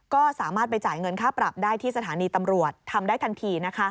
ก็สามารถไปจ่ายเงินค่าปรับได้ที่สถานีตำรวจทำได้ทันที